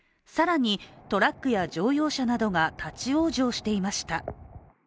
更にトラックや乗用車などが立往生していました。